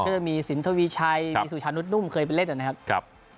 เพราะมีสินทวิชัยมีสุชานุดนุ่มเคยไปเล่นอย่างนั้นนะครับ